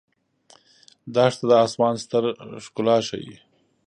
دښته د آسمان ستر ښکلا ښيي.